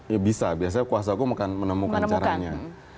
ya bisa biasanya kuasa aku menemukan caranya